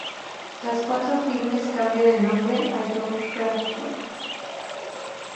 Tras cuatro filmes cambió de nombre a Joan Crawford.